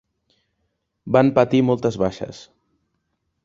Van patir moltes baixes.